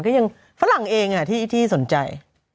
ก็ยังฝรั่งเองที่สนใจ